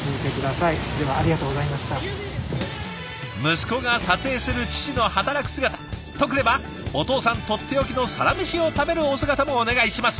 息子が撮影する父の働く姿とくればお父さんとっておきのサラメシを食べるお姿もお願いします。